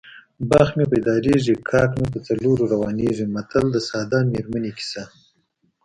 بخت مې پیدارېږي کاک مې په څلور روانېږي متل د ساده میرمنې کیسه ده